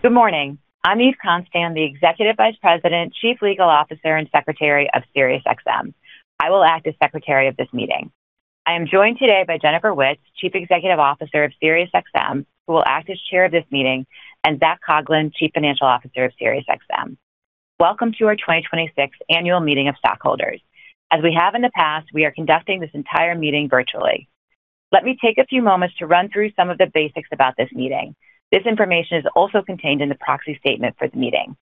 Good morning. I'm Eve Konstan, the Executive Vice President, Chief Legal Officer, and Secretary of SiriusXM. I will act as secretary of this meeting. I am joined today by Jennifer Witz, Chief Executive Officer of SiriusXM, who will act as chair of this meeting, and Zac Coughlin, Chief Financial Officer of SiriusXM. Welcome to our 2026 annual meeting of stockholders. As we have in the past, we are conducting this entire meeting virtually. Let me take a few moments to run through some of the basics about this meeting. This information is also contained in the proxy statement for the meeting.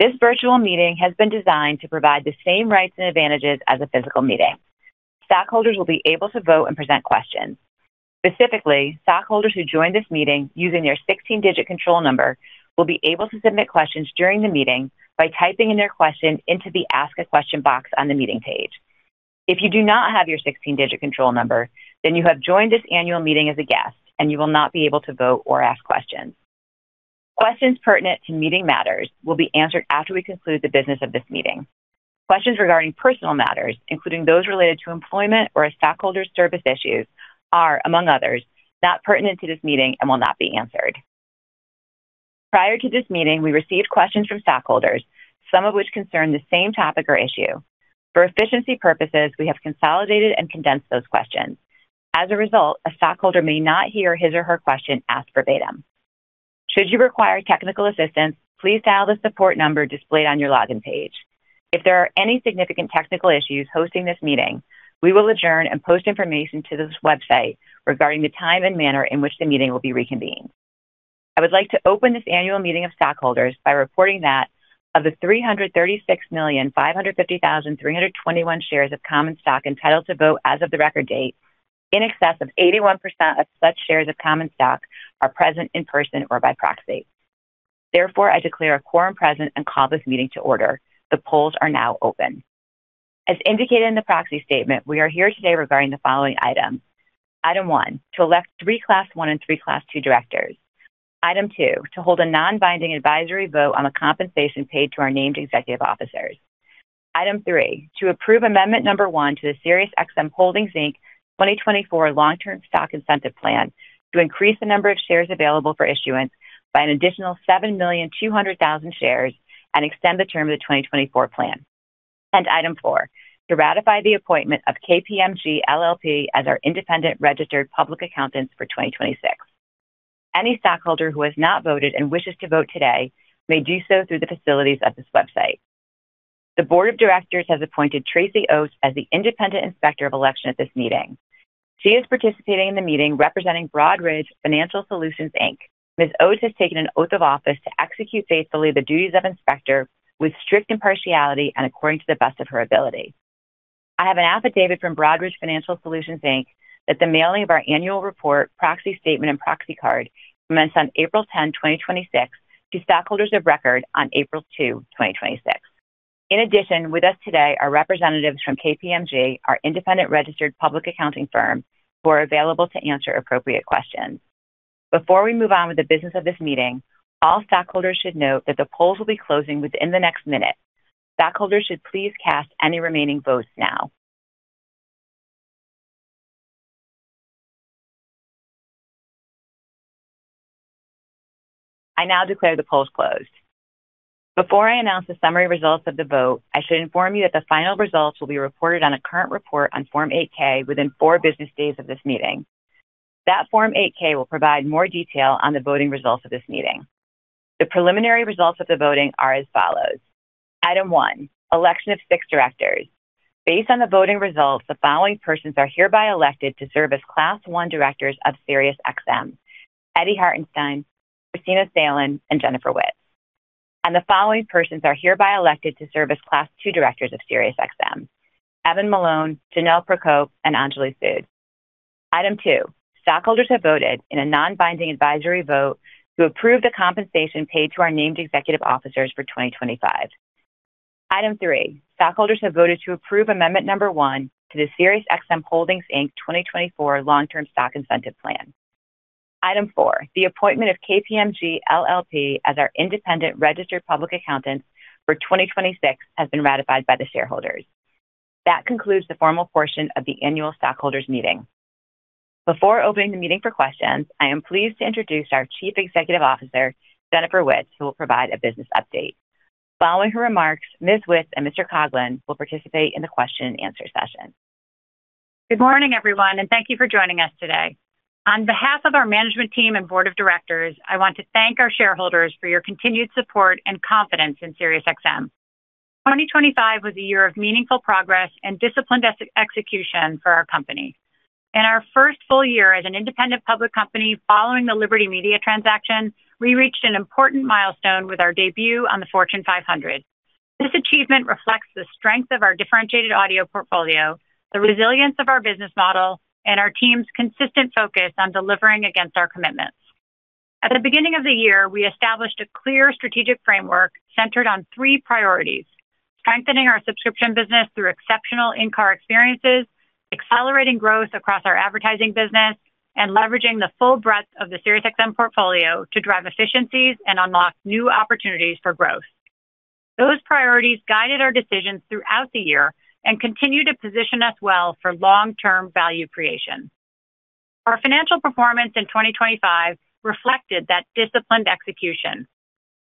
This virtual meeting has been designed to provide the same rights and advantages as a physical meeting. Stockholders will be able to vote and present questions. Specifically, stockholders who join this meeting using their 16-digit control number will be able to submit questions during the meeting by typing in their question into the Ask a Question box on the meeting page. If you do not have your 16-digit control number, you have joined this annual meeting as a guest, and you will not be able to vote or ask questions. Questions pertinent to meeting matters will be answered after we conclude the business of this meeting. Questions regarding personal matters, including those related to employment or a stockholder's service issues, are, among others, not pertinent to this meeting and will not be answered. Prior to this meeting, we received questions from stockholders, some of which concern the same topic or issue. For efficiency purposes, we have consolidated and condensed those questions. As a result, a stockholder may not hear his or her question asked verbatim. Should you require technical assistance, please dial the support number displayed on your login page. If there are any significant technical issues hosting this meeting, we will adjourn and post information to this website regarding the time and manner in which the meeting will be reconvened. I would like to open this annual meeting of stockholders by reporting that of the 336,550,321 shares of common stock entitled to vote as of the record date, in excess of 81% of such shares of common stock are present in person or by proxy. Therefore, I declare a quorum present and call this meeting to order. The polls are now open. As indicated in the proxy statement, we are here today regarding the following items. Item one, to elect three class I and three class II directors. Item two, to hold a non-binding advisory vote on the compensation paid to our named executive officers. Item three, to approve amendment number one to the SiriusXM Holdings Inc. 2024 Long-Term Stock Incentive Plan to increase the number of shares available for issuance by an additional 7,200,000 shares and extend the term of the 2024 plan. Item four, to ratify the appointment of KPMG LLP as our independent registered public accountants for 2026. Any stockholder who has not voted and wishes to vote today may do so through the facilities of this website. The board of directors has appointed Tracy Oates as the independent Inspector of Election at this meeting. She is participating in the meeting representing Broadridge Financial Solutions, Inc. Ms. Oates has taken an oath of office to execute faithfully the duties of inspector with strict impartiality and according to the best of her ability. I have an affidavit from Broadridge Financial Solutions, Inc. that the mailing of our annual report, proxy statement, and proxy card commenced on April 10, 2026, to stockholders of record on April 2, 2026. In addition, with us today are representatives from KPMG, our independent registered public accounting firm, who are available to answer appropriate questions. Before we move on with the business of this meeting, all stockholders should note that the polls will be closing within the next minute. Stockholders should please cast any remaining votes now. I now declare the polls closed. Before I announce the summary results of the vote, I should inform you that the final results will be reported on a current report on Form 8-K within four business days of this meeting. That Form 8-K will provide more detail on the voting results of this meeting. The preliminary results of the voting are as follows. Item 1, election of six directors. Based on the voting results, the following persons are hereby elected to serve as class I directors of SiriusXM. Eddy Hartenstein, Kristina M. Salen, and Jennifer Witz. The following persons are hereby elected to serve as class II directors of SiriusXM. Evan Malone, Jonelle Procope, and Anjali Sud. Item 2, stockholders have voted in a non-binding advisory vote to approve the compensation paid to our named executive officers for 2025. Item 3, stockholders have voted to approve amendment number one to the SiriusXM Holdings Inc. 2024 Long-Term Stock Incentive Plan. Item 4, the appointment of KPMG LLP as our independent registered public accountants for 2026 has been ratified by the shareholders. That concludes the formal portion of the annual stockholders meeting. Before opening the meeting for questions, I am pleased to introduce our Chief Executive Officer, Jennifer Witz, who will provide a business update. Following her remarks, Ms. Witz and Mr. Coughlin will participate in the question and answer session. Good morning, everyone, and thank you for joining us today. On behalf of our management team and board of directors, I want to thank our shareholders for your continued support and confidence in SiriusXM. 2025 was a year of meaningful progress and disciplined execution for our company. In our first full year as an independent public company following the Liberty Media transaction, we reached an important milestone with our debut on the Fortune 500. This achievement reflects the strength of our differentiated audio portfolio, the resilience of our business model, and our team's consistent focus on delivering against our commitments. At the beginning of the year, we established a clear strategic framework centered on three priorities: strengthening our subscription business through exceptional in-car experiences, accelerating growth across our advertising business, and leveraging the full breadth of the SiriusXM portfolio to drive efficiencies and unlock new opportunities for growth. Those priorities guided our decisions throughout the year and continue to position us well for long-term value creation. Our financial performance in 2025 reflected that disciplined execution.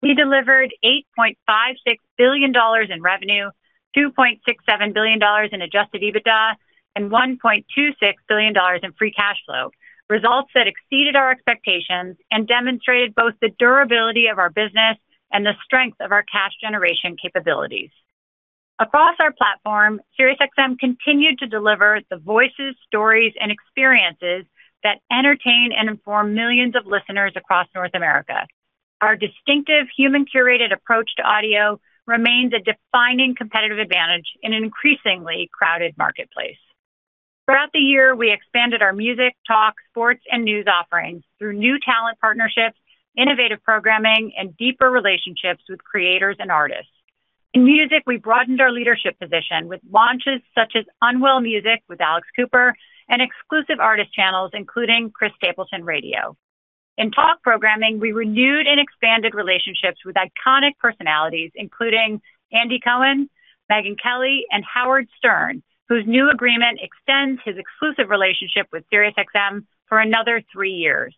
We delivered $8.56 billion in revenue, $2.67 billion in adjusted EBITDA, and $1.26 billion in free cash flow, results that exceeded our expectations and demonstrated both the durability of our business and the strength of our cash generation capabilities. Across our platform, SiriusXM continued to deliver the voices, stories, and experiences that entertain and inform millions of listeners across North America. Our distinctive human-curated approach to audio remains a defining competitive advantage in an increasingly crowded marketplace. Throughout the year, we expanded our music, talk, sports, and news offerings through new talent partnerships, innovative programming, and deeper relationships with creators and artists. In music, we broadened our leadership position with launches such as Unwell Music with Alex Cooper and exclusive artist channels, including Chris Stapleton Radio. In talk programming, we renewed and expanded relationships with iconic personalities, including Andy Cohen, Megyn Kelly, and Howard Stern, whose new agreement extends his exclusive relationship with SiriusXM for another three years.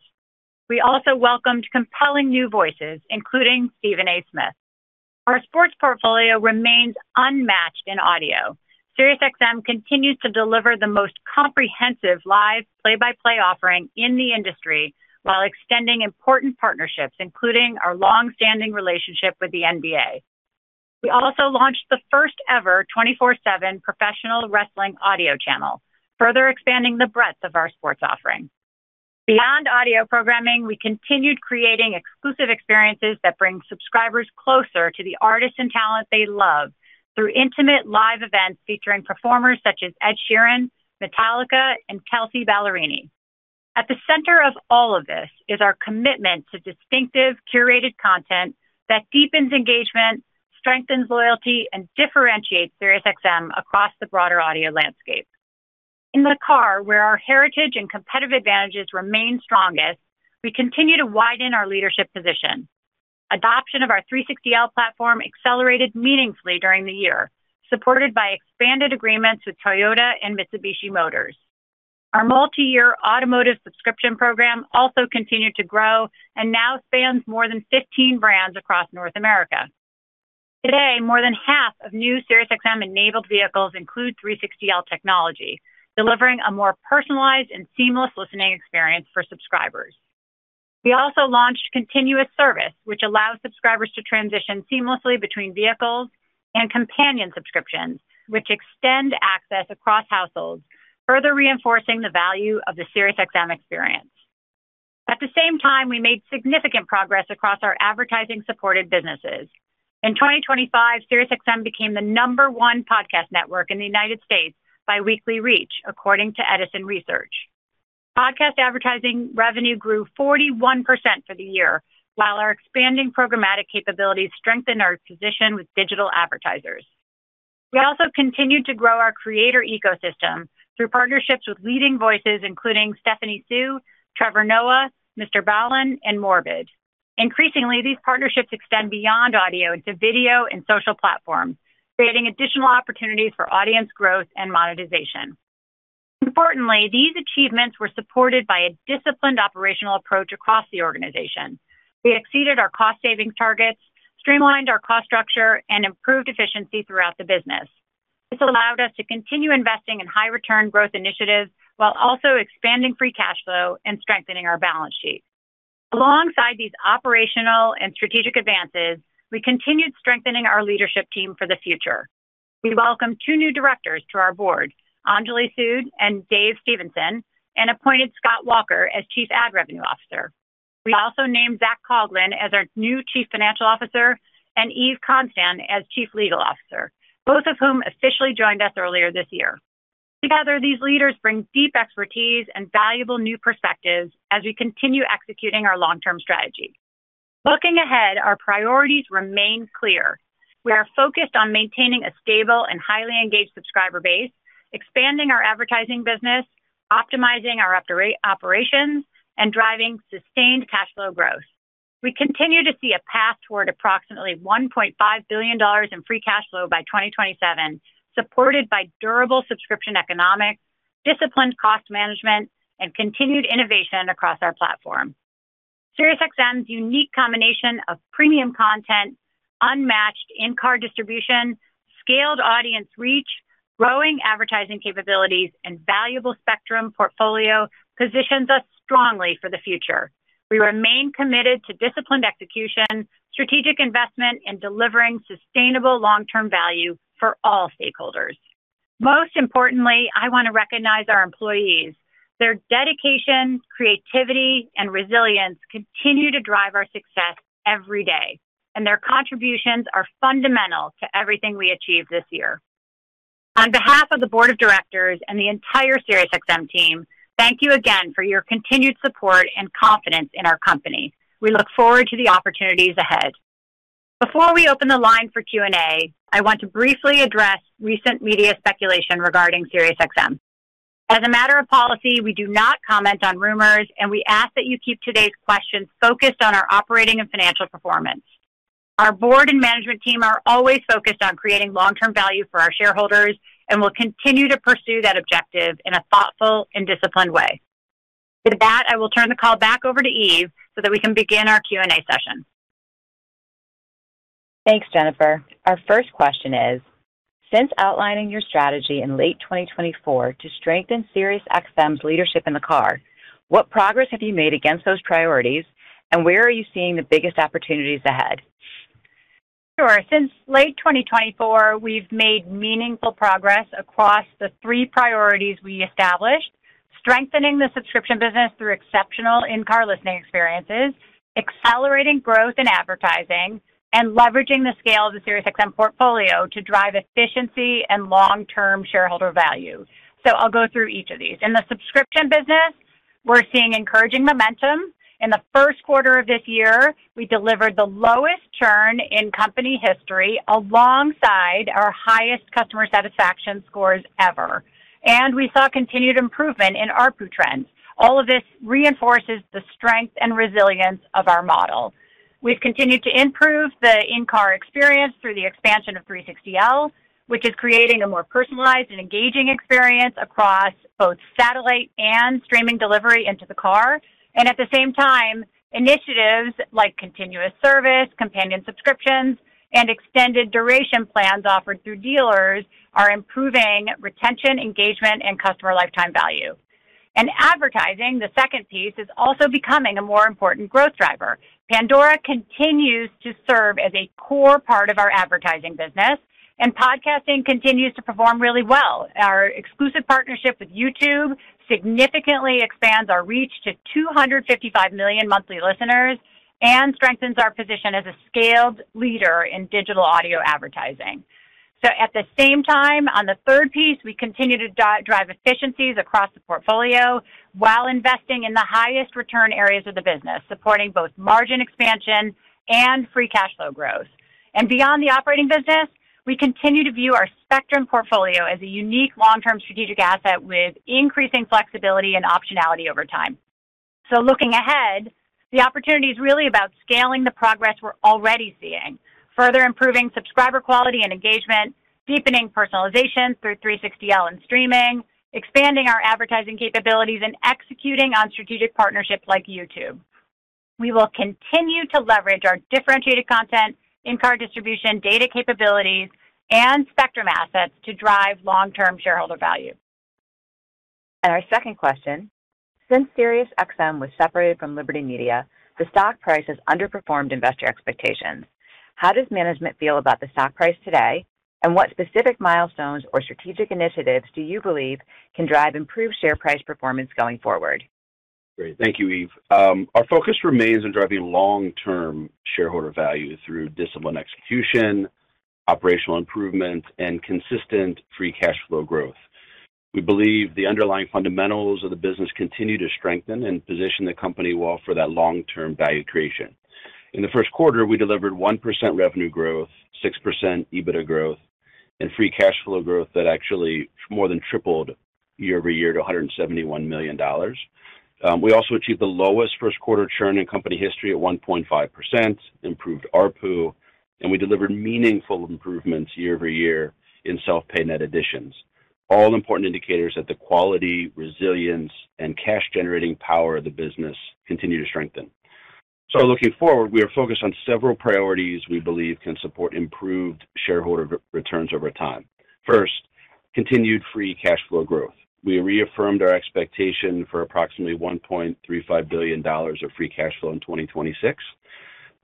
We also welcomed compelling new voices, including Stephen A. Smith. Our sports portfolio remains unmatched in audio. SiriusXM continues to deliver the most comprehensive live play-by-play offering in the industry while extending important partnerships, including our longstanding relationship with the NBA. We also launched the first-ever 24/7 professional wrestling audio channel, further expanding the breadth of our sports offering. Beyond audio programming, we continued creating exclusive experiences that bring subscribers closer to the artists and talent they love through intimate live events featuring performers such as Ed Sheeran, Metallica, and Kelsea Ballerini. At the center of all of this is our commitment to distinctive, curated content that deepens engagement, strengthens loyalty, and differentiates SiriusXM across the broader audio landscape. In the car, where our heritage and competitive advantages remain strongest, we continue to widen our leadership position. Adoption of our 360L platform accelerated meaningfully during the year, supported by expanded agreements with Toyota and Mitsubishi Motors. Our multi-year automotive subscription program also continued to grow and now spans more than 15 brands across North America. Today, more than half of new SiriusXM-enabled vehicles include 360L technology, delivering a more personalized and seamless listening experience for subscribers. We also launched Continuous Service, which allows subscribers to transition seamlessly between vehicles and companion subscriptions, which extend access across households, further reinforcing the value of the SiriusXM experience. At the same time, we made significant progress across our advertising-supported businesses. In 2025, SiriusXM became the number one podcast network in the U.S. by weekly reach, according to Edison Research. Podcast advertising revenue grew 41% for the year, while our expanding programmatic capabilities strengthened our position with digital advertisers. We also continued to grow our creator ecosystem through partnerships with leading voices including Stephanie Soo, Trevor Noah, MrBallen, and Morbid. Increasingly, these partnerships extend beyond audio to video and social platforms, creating additional opportunities for audience growth and monetization. Importantly, these achievements were supported by a disciplined operational approach across the organization. We exceeded our cost-saving targets, streamlined our cost structure, and improved efficiency throughout the business. This allowed us to continue investing in high-return growth initiatives while also expanding free cash flow and strengthening our balance sheet. Alongside these operational and strategic advances, we continued strengthening our leadership team for the future. We welcomed two new directors to our board, Anjali Sud and Dave Stephenson, and appointed Scott Walker as Chief Advertising Revenue Officer. We also named Zac Coughlin as our new Chief Financial Officer and Eve Konstan as Chief Legal Officer, both of whom officially joined us earlier this year. Together, these leaders bring deep expertise and valuable new perspectives as we continue executing our long-term strategy. Looking ahead, our priorities remain clear. We are focused on maintaining a stable and highly engaged subscriber base, expanding our advertising business, optimizing our operations, and driving sustained cash flow growth. We continue to see a path toward approximately $1.5 billion in free cash flow by 2027, supported by durable subscription economics, disciplined cost management, and continued innovation across our platform. SiriusXM's unique combination of premium content, unmatched in-car distribution, scaled audience reach, growing advertising capabilities, and valuable spectrum portfolio positions us strongly for the future. We remain committed to disciplined execution, strategic investment, and delivering sustainable long-term value for all stakeholders. Most importantly, I want to recognize our employees. Their dedication, creativity, and resilience continue to drive our success every day, and their contributions are fundamental to everything we achieved this year. On behalf of the board of directors and the entire SiriusXM team, thank you again for your continued support and confidence in our company. We look forward to the opportunities ahead. Before we open the line for Q&A, I want to briefly address recent media speculation regarding SiriusXM. As a matter of policy, we do not comment on rumors, and we ask that you keep today's questions focused on our operating and financial performance. Our board and management team are always focused on creating long-term value for our shareholders and will continue to pursue that objective in a thoughtful and disciplined way. With that, I will turn the call back over to Eve so that we can begin our Q&A session. Thanks, Jennifer. Our first question is: Since outlining your strategy in late 2024 to strengthen SiriusXM's leadership in the car, what progress have you made against those priorities, and where are you seeing the biggest opportunities ahead? Sure. Since late 2024, we've made meaningful progress across the three priorities we established, strengthening the subscription business through exceptional in-car listening experiences, accelerating growth in advertising, and leveraging the scale of the SiriusXM portfolio to drive efficiency and long-term shareholder value. I'll go through each of these. In the subscription business, we're seeing encouraging momentum. In the first quarter of this year, we delivered the lowest churn in company history alongside our highest customer satisfaction scores ever, and we saw continued improvement in ARPU trends. All of this reinforces the strength and resilience of our model. We've continued to improve the in-car experience through the expansion of 360L, which is creating a more personalized and engaging experience across both satellite and streaming delivery into the car. At the same time, initiatives like Continuous Service, companion subscriptions, and extended duration plans offered through dealers are improving retention, engagement, and customer lifetime value. In advertising, the second piece, is also becoming a more important growth driver. Pandora continues to serve as a core part of our advertising business, and podcasting continues to perform really well. Our exclusive partnership with YouTube significantly expands our reach to 255 million monthly listeners and strengthens our position as a scaled leader in digital audio advertising. At the same time, on the third piece, we continue to drive efficiencies across the portfolio while investing in the highest return areas of the business, supporting both margin expansion and free cash flow growth. Beyond the operating business, we continue to view our spectrum portfolio as a unique long-term strategic asset with increasing flexibility and optionality over time. Looking ahead, the opportunity is really about scaling the progress we're already seeing, further improving subscriber quality and engagement, deepening personalization through 360L and streaming, expanding our advertising capabilities, and executing on strategic partnerships like YouTube. We will continue to leverage our differentiated content, in-car distribution, data capabilities, and spectrum assets to drive long-term shareholder value. Our second question. Since SiriusXM was separated from Liberty Media, the stock price has underperformed investor expectations. How does management feel about the stock price today, and what specific milestones or strategic initiatives do you believe can drive improved share price performance going forward? Great. Thank you, Eve. Our focus remains on driving long-term shareholder value through disciplined execution, operational improvement, and consistent free cash flow growth. We believe the underlying fundamentals of the business continue to strengthen and position the company well for that long-term value creation. In the first quarter, we delivered 1% revenue growth, 6% EBITDA growth, and free cash flow growth that actually more than tripled year-over-year to $171 million. We also achieved the lowest first quarter churn in company history at 1.5%, improved ARPU, and we delivered meaningful improvements year-over-year in self-pay net additions. All important indicators that the quality, resilience, and cash generating power of the business continue to strengthen. Looking forward, we are focused on several priorities we believe can support improved shareholder re-returns over time. First, continued free cash flow growth. We reaffirmed our expectation for approximately $1.35 billion of free cash flow in 2026,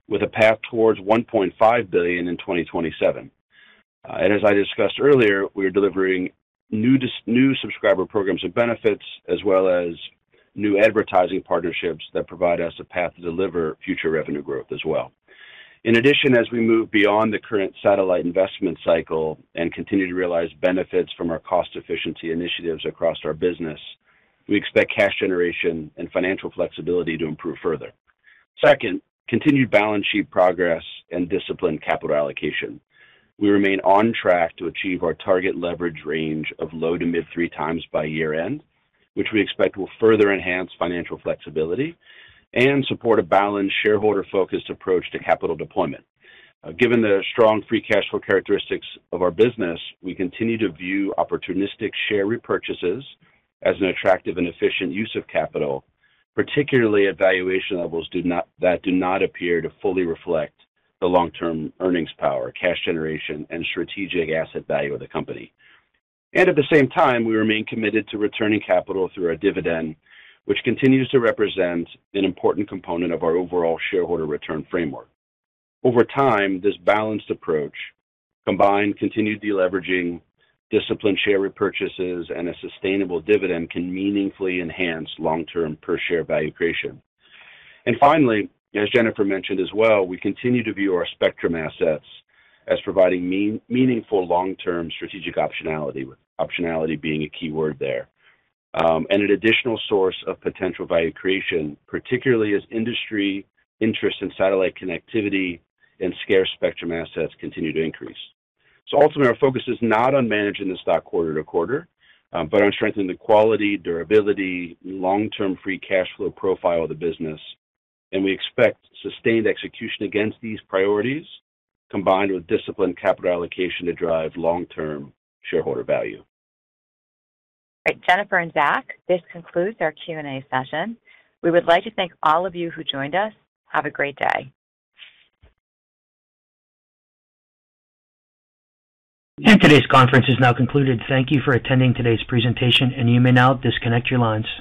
with a path towards $1.5 billion in 2027. As I discussed earlier, we are delivering new subscriber programs and benefits, as well as new advertising partnerships that provide us a path to deliver future revenue growth as well. In addition, as we move beyond the current satellite investment cycle and continue to realize benefits from our cost efficiency initiatives across our business, we expect cash generation and financial flexibility to improve further. Second, continued balance sheet progress and disciplined capital allocation. We remain on track to achieve our target leverage range of low to mid three times by year end, which we expect will further enhance financial flexibility and support a balanced shareholder focused approach to capital deployment. Given the strong free cash flow characteristics of our business, we continue to view opportunistic share repurchases as an attractive and efficient use of capital, particularly at valuation levels that do not appear to fully reflect the long-term earnings power, cash generation, and strategic asset value of the company. At the same time, we remain committed to returning capital through our dividend, which continues to represent an important component of our overall shareholder return framework. Over time, this balanced approach combined continued deleveraging, disciplined share repurchases, and a sustainable dividend can meaningfully enhance long-term per share value creation. Finally, as Jennifer mentioned as well, we continue to view our spectrum assets as providing meaningful long-term strategic optionality, with optionality being a key word there, and an additional source of potential value creation, particularly as industry interest in satellite connectivity and scarce spectrum assets continue to increase. Ultimately, our focus is not on managing the stock quarter to quarter, but on strengthening the quality, durability, long-term free cash flow profile of the business, and we expect sustained execution against these priorities, combined with disciplined capital allocation to drive long-term shareholder value. All right. Jennifer and Zac, this concludes our Q&A session. We would like to thank all of you who joined us. Have a great day. Today's conference is now concluded. Thank you for attending today's presentation, and you may now disconnect your lines.